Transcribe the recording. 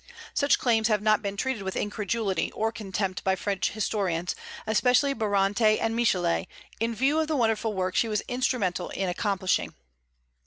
Such claims have not been treated with incredulity or contempt by French historians, especially Barante and Michelet, in view of the wonderful work she was instrumental in accomplishing.